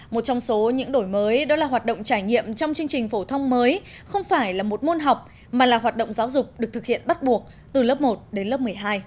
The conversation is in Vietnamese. một trong số những đổi mới đó là hoạt động trải nghiệm trong chương trình phổ thông mới không phải là một môn học mà là hoạt động giáo dục được thực hiện bắt buộc từ lớp một đến lớp một mươi hai